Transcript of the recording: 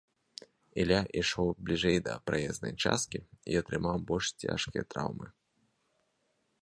Ілля ішоў бліжэй да праезнай часткі і атрымаў больш цяжкія траўмы.